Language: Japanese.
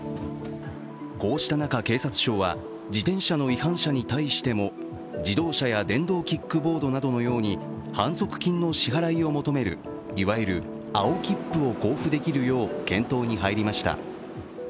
こうした中、警察庁は自転車の違反者に対しても自動車や電動キックボードなどのように反則金の支払いを求めるいわゆる青切符を交付できるよう検討に入りました。